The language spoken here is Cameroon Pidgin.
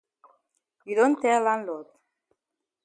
You don tell landlord?